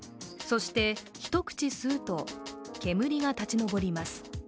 そして１口吸うと煙が立ち上ります